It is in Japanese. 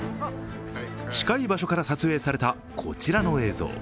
近い場所から撮影されたこちらの映像。